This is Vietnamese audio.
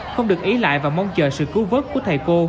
không được ý lại và mong chờ sự cứu vớt của thầy cô